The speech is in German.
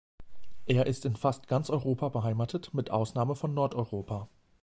Er ist in fast ganz Europa beheimatet mit Ausnahme von Nordeuropa.